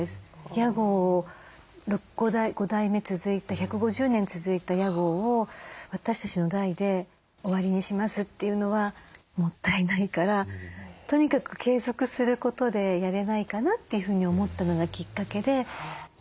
屋号を５代目続いた１５０年続いた屋号を私たちの代で終わりにしますというのはもったいないからとにかく継続することでやれないかなというふうに思ったのがきっかけで。